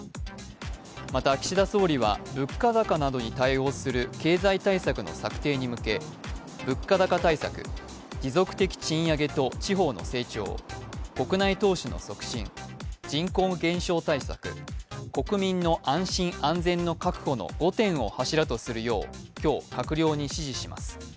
また、岸田総理は、物価高などに対応する経済対策の策定に向け、物価高対策、持続的賃上げと地方の成長国内投資の促進、人口減少対策、国民の安心・安全の確保の５点を柱とするよう今日、閣僚に指示します。